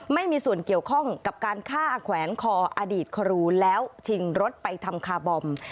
ไม่มีส่วนเกี่ยวข้องกับการฆ่าแขวนคออดีตครูแล้วชิงรถไปทำคาร์บอม